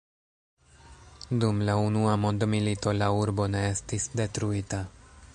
Dum la unua mondmilito la urbo ne estis detruita.